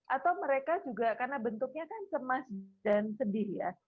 atau mereka juga karena bentuknya kan cemas dan sedih ya